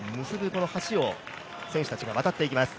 この橋を選手たちが渡っていきます。